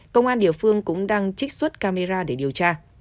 công an địa phương cũng đang trích xuất camera để điều tra